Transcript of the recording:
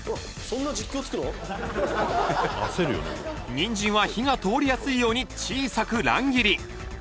にんじんは火が通りやすいように小さく乱切り